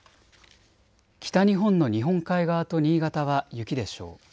北日本の日本海側と新潟は雪でしょう。